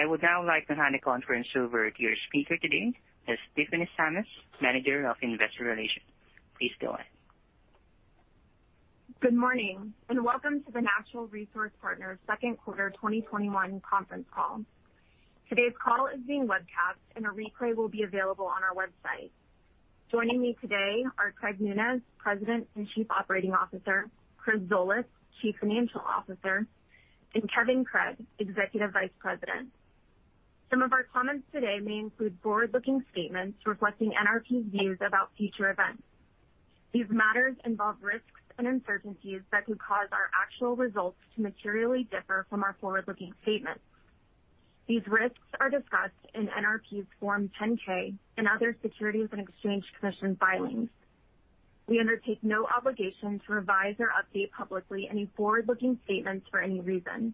I would now like to hand the conference over to your speaker today, Miss Tiffany Sammis, Manager of Investor Relations. Please go on. Good morning, and welcome to the Natural Resource Partners second quarter 2021 conference call. Today's call is being webcast and a replay will be available on our website. Joining me today are Craig Nunez, President and Chief Operating Officer, Chris Zolas, Chief Financial Officer, and Kevin Craig, Executive Vice President. Some of our comments today may include forward-looking statements reflecting NRP's views about future events. These matters involve risks and uncertainties that could cause our actual results to materially differ from our forward-looking statements. These risks are discussed in NRP's Form 10-K and other Securities and Exchange Commission filings. We undertake no obligation to revise or update publicly any forward-looking statements for any reason.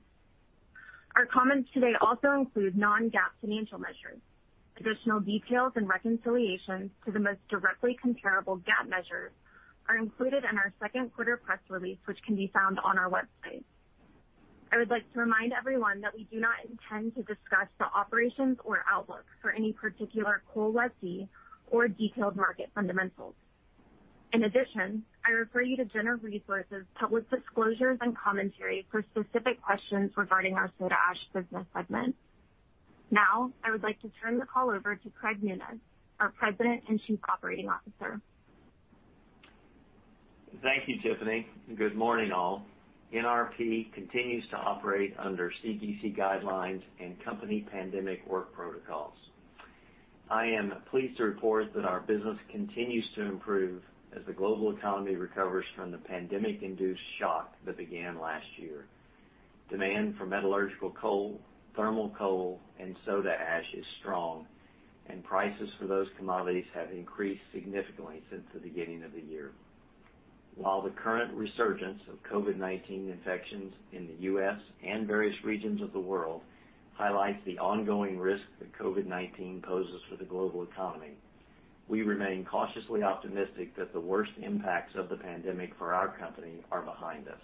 Our comments today also include non-GAAP financial measures. Additional details and reconciliations to the most directly comparable GAAP measures are included in our second quarter press release, which can be found on our website. I would like to remind everyone that we do not intend to discuss the operations or outlook for any particular coal lessee or detailed market fundamentals. In addition, I refer you to Ciner Resources public disclosures and commentary for specific questions regarding our soda ash business segment. Now, I would like to turn the call over to Craig Nunez, our President and Chief Operating Officer. Thank you, Tiffany. Good morning, all. NRP continues to operate under CDC guidelines and company pandemic work protocols. I am pleased to report that our business continues to improve as the global economy recovers from the pandemic-induced shock that began last year. Demand for metallurgical coal, thermal coal, and soda ash is strong, and prices for those commodities have increased significantly since the beginning of the year. While the current resurgence of COVID-19 infections in the U.S. and various regions of the world highlights the ongoing risk that COVID-19 poses for the global economy, we remain cautiously optimistic that the worst impacts of the pandemic for our company are behind us.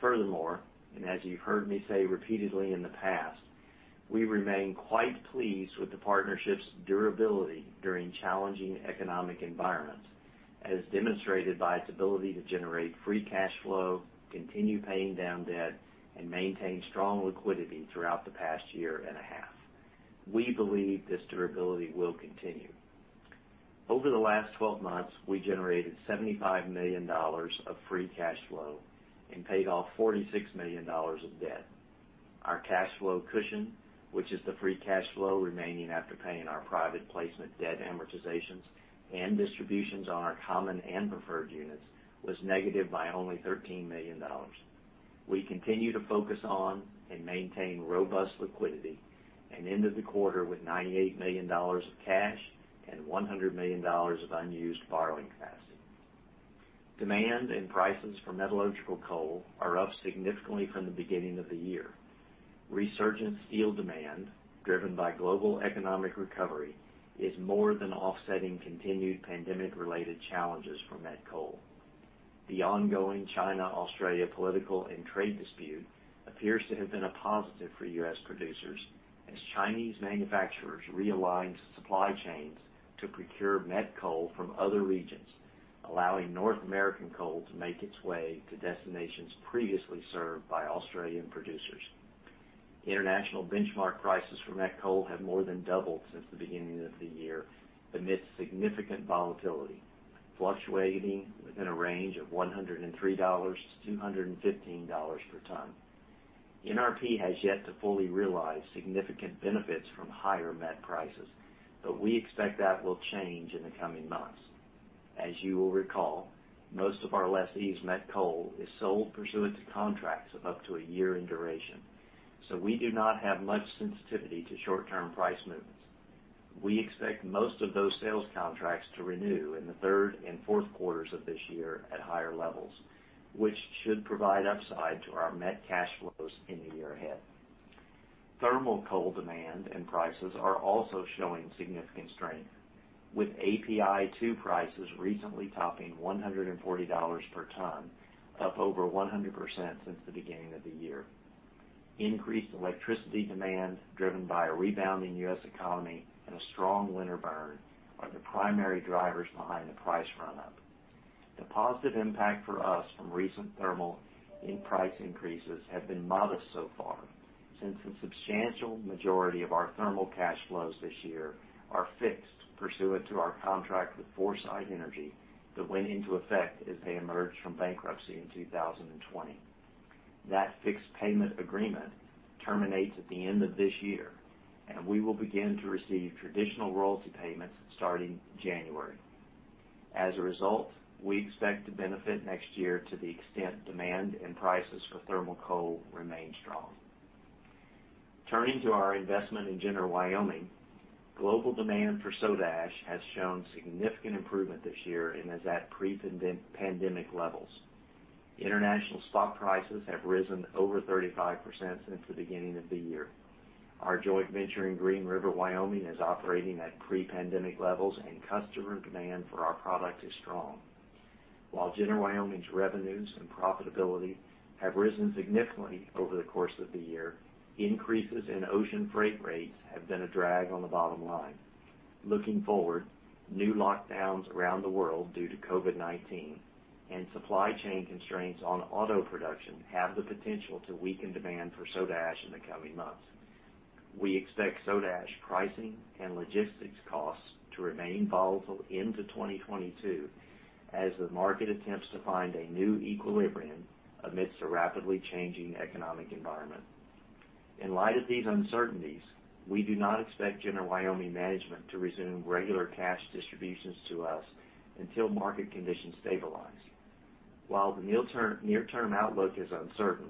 Furthermore, as you've heard me say repeatedly in the past, we remain quite pleased with the partnership's durability during challenging economic environments, as demonstrated by its ability to generate free cash flow, continue paying down debt, and maintain strong liquidity throughout the past year and a half. We believe this durability will continue. Over the last 12 months, we generated $75 million of free cash flow and paid off $46 million of debt. Our cash flow cushion, which is the free cash flow remaining after paying our private placement debt amortizations and distributions on our common and preferred units, was negative by only $13 million. We continue to focus on and maintain robust liquidity and end of the quarter with $98 million of cash and $100 million of unused borrowing capacity. Demand and prices for metallurgical coal are up significantly from the beginning of the year. Resurgent steel demand, driven by global economic recovery, is more than offsetting continued pandemic-related challenges for met coal. The ongoing China-Australia political and trade dispute appears to have been a positive for U.S. producers as Chinese manufacturers realigned supply chains to procure met coal from other regions, allowing North American coal to make its way to destinations previously served by Australian producers. International benchmark prices for met coal have more than doubled since the beginning of the year amidst significant volatility, fluctuating within a range of $103-$215 per ton. NRP has yet to fully realize significant benefits from higher met prices, but we expect that will change in the coming months. As you will recall, most of our lessees' met coal is sold pursuant to contracts of up to a year in duration. We do not have much sensitivity to short-term price movements. We expect most of those sales contracts to renew in the third and fourth quarters of this year at higher levels, which should provide upside to our met cash flows in the year ahead. Thermal coal demand and prices are also showing significant strength, with API2 prices recently topping $140 per ton, up over 100% since the beginning of the year. Increased electricity demand, driven by a rebounding U.S. economy and a strong winter burn, are the primary drivers behind the price run-up. The positive impact for us from recent thermal in price increases have been modest so far, since the substantial majority of our thermal cash flows this year are fixed pursuant to our contract with Foresight Energy that went into effect as they emerged from bankruptcy in 2020. That fixed payment agreement terminates at the end of this year, and we will begin to receive traditional royalty payments starting January. As a result, we expect to benefit next year to the extent demand and prices for thermal coal remain strong. Turning to our investment in Ciner Wyoming, global demand for soda ash has shown significant improvement this year and is at pre-pandemic levels. International spot prices have risen over 35% since the beginning of the year. Our joint venture in Green River, Wyoming is operating at pre-pandemic levels and customer demand for our product is strong. While Ciner Wyoming's revenues and profitability have risen significantly over the course of the year, increases in ocean freight rates have been a drag on the bottom line. Looking forward, new lockdowns around the world due to COVID-19 and supply chain constraints on auto production have the potential to weaken demand for soda ash in the coming months. We expect soda ash pricing and logistics costs to remain volatile into 2022 as the market attempts to find a new equilibrium amidst a rapidly changing economic environment. In light of these uncertainties, we do not expect Ciner Wyoming management to resume regular cash distributions to us until market conditions stabilize. While the near-term outlook is uncertain,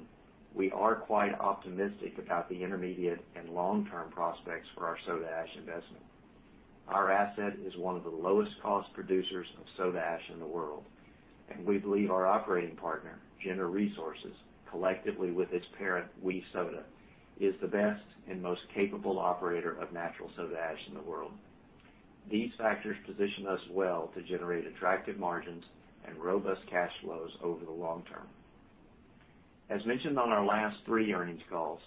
we are quite optimistic about the intermediate and long-term prospects for our soda ash investment. Our asset is one of the lowest-cost producers of soda ash in the world, and we believe our operating partner, Ciner Resources, collectively with its parent, WE Soda, is the best and most capable operator of natural soda ash in the world. These factors position us well to generate attractive margins and robust cash flows over the long term. As mentioned on our last three earnings calls,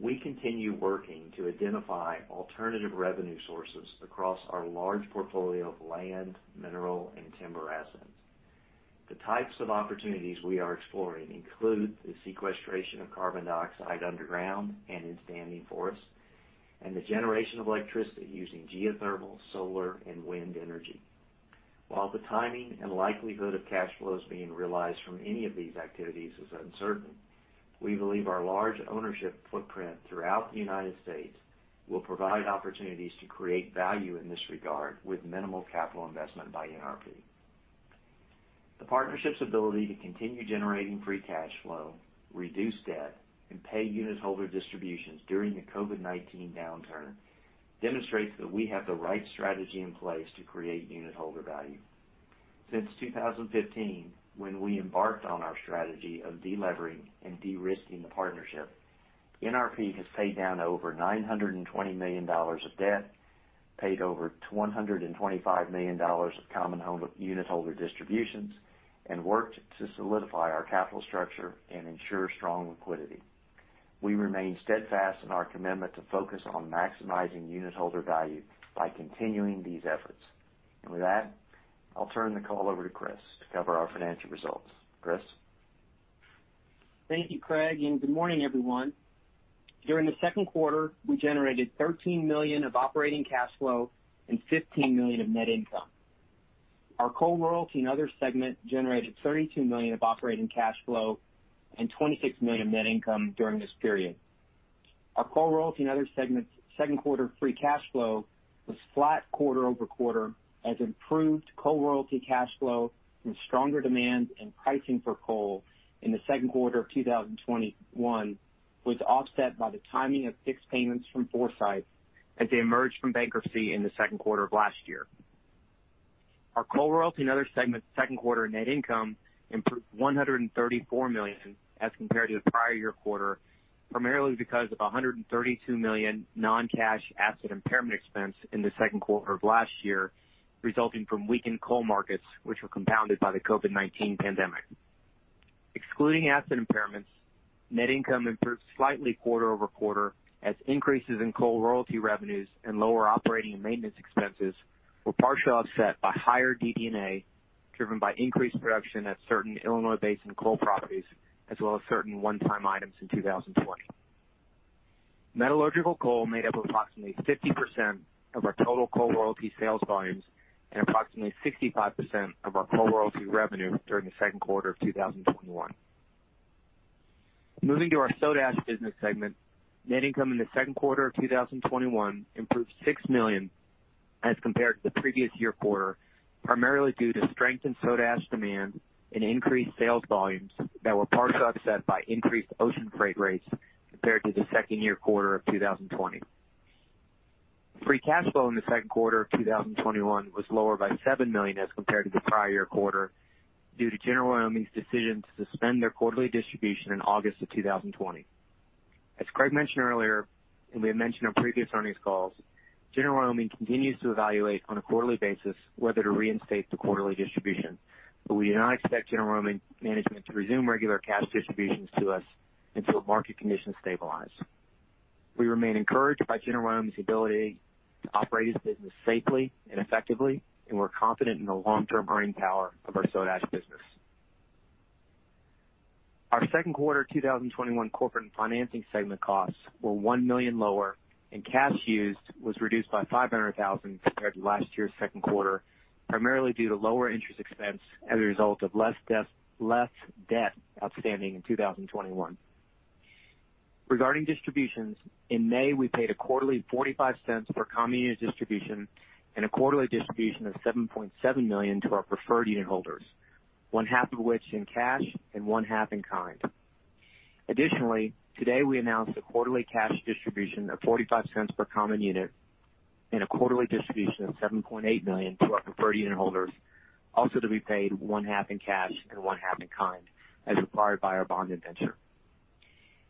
we continue working to identify alternative revenue sources across our large portfolio of land, mineral, and timber assets. The types of opportunities we are exploring include the sequestration of carbon dioxide underground and in standing forests, and the generation of electricity using geothermal, solar, and wind energy. While the timing and likelihood of cash flows being realized from any of these activities is uncertain, we believe our large ownership footprint throughout the U.S. will provide opportunities to create value in this regard with minimal capital investment by NRP. The partnership's ability to continue generating free cash flow, reduce debt, and pay unit holder distributions during the COVID-19 downturn demonstrates that we have the right strategy in place to create unit holder value. Since 2015, when we embarked on our strategy of de-levering and de-risking the partnership, NRP has paid down over $920 million of debt, paid over $125 million of common unit holder distributions, and worked to solidify our capital structure and ensure strong liquidity. We remain steadfast in our commitment to focus on maximizing unit holder value by continuing these efforts. With that, I'll turn the call over to Chris Zolas to cover our financial results. Chris? Thank you, Craig, and good morning, everyone. During the second quarter, we generated $13 million of operating cash flow and $15 million of net income. Our coal royalty and other segment generated $32 million of operating cash flow and $26 million of net income during this period. Our coal royalty and other segment's second quarter free cash flow was flat quarter-over-quarter as improved coal royalty cash flow from stronger demand and pricing for coal in the second quarter of 2021 was offset by the timing of fixed payments from Foresight as they emerged from bankruptcy in the second quarter of last year. Our coal royalty and other segment's second quarter net income improved $134 million as compared to the prior year quarter, primarily because of $132 million non-cash asset impairment expense in the second quarter of last year, resulting from weakened coal markets, which were compounded by the COVID-19 pandemic. Excluding asset impairments, net income improved slightly quarter-over-quarter as increases in coal royalty revenues and lower operating and maintenance expenses were partially offset by higher DD&A, driven by increased production at certain Illinois Basin coal properties, as well as certain one-time items in 2020. Metallurgical coal made up approximately 50% of our total coal royalty sales volumes and approximately 65% of our coal royalty revenue during the second quarter of 2021. Moving to our soda ash business segment, net income in the second quarter of 2021 improved $6 million as compared to the previous year quarter, primarily due to strengthened soda ash demand and increased sales volumes that were partially offset by increased ocean freight rates compared to the second year quarter of 2020. Free cash flow in the second quarter of 2021 was lower by $7 million as compared to the prior year quarter due to Ciner Wyoming's decision to suspend their quarterly distribution in August of 2020. As Craig mentioned earlier, and we have mentioned on previous earnings calls, Ciner Wyoming continues to evaluate on a quarterly basis whether to reinstate the quarterly distribution, but we do not expect Ciner Wyoming management to resume regular cash distributions to us until market conditions stabilize. We remain encouraged by Ciner Wyoming's ability to operate its business safely and effectively. We're confident in the long-term earning power of our soda ash business. Our second quarter 2021 corporate and financing segment costs were $1 million lower. Cash used was reduced by $500,000 compared to last year's second quarter, primarily due to lower interest expense as a result of less debt outstanding in 2021. Regarding distributions, in May, we paid a quarterly $0.45 per common unit distribution and a quarterly distribution of $7.7 million to our preferred unit holders, one-half of which in cash and one-half in kind. Additionally, today we announced a quarterly cash distribution of $0.45 per common unit and a quarterly distribution of $7.8 million to our preferred unit holders, also to be paid one-half in cash and one-half in kind as required by our bond indenture.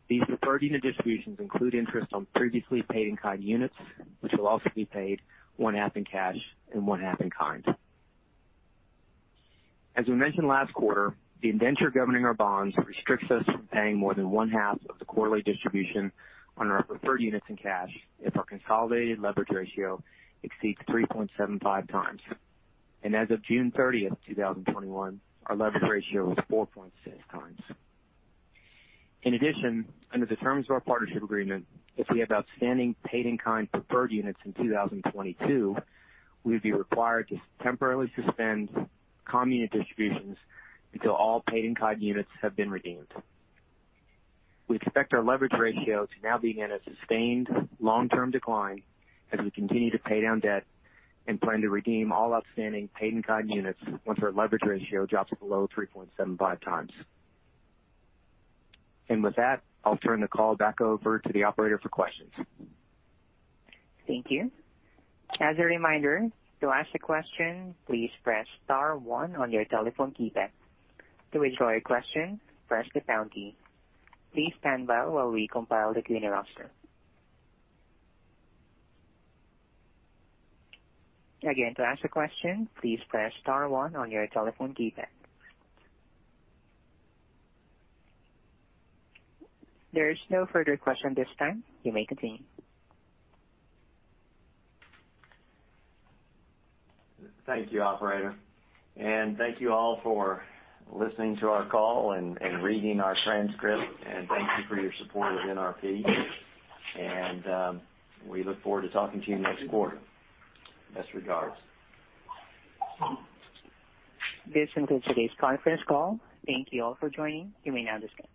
These preferred unit distributions include interest on previously paid-in-kind units, which will also be paid one-half in cash and one-half in kind. As we mentioned last quarter, the indenture governing our bonds restricts us from paying more than one-half of the quarterly distribution on our preferred units in cash if our consolidated leverage ratio exceeds 3.75x. As of June 30th, 2021, our leverage ratio was 4.6x. In addition, under the terms of our partnership agreement, if we have outstanding paid-in-kind preferred units in 2022, we would be required to temporarily suspend common unit distributions until all paid-in-kind units have been redeemed. We expect our leverage ratio to now begin a sustained long-term decline as we continue to pay down debt and plan to redeem all outstanding paid-in-kind units once our leverage ratio drops below 3.75x. With that, I'll turn the call back over to the operator for questions. Thank you. As a reminder, to ask a question, please press star one on your telephone keypad. To withdraw your question, press the pound key. Again, to ask a question, please press star one on your telephone keypad. There is no further question this time. You may continue. Thank you, operator, and thank you all for listening to our call and reading our transcript, and thank you for your support of NRP. We look forward to talking to you next quarter. Best regards. This concludes today's conference call. Thank Thank you all for joining. You may now disconnect.